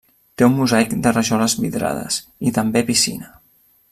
Té un mosaic de rajoles vidrades, i també piscina.